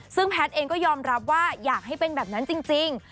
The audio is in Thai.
ซึ่งแพทย์เองก็ยอมรับว่าอยากให้เป็นแบบนั้นจริง